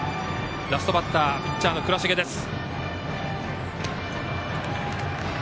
ラストバッターピッチャーの倉重です。